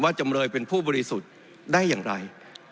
จำเลยเป็นผู้บริสุทธิ์ได้อย่างไร